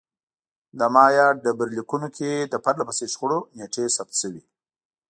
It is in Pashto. د مایا ډبرلیکونو کې د پرله پسې شخړو نېټې ثبت شوې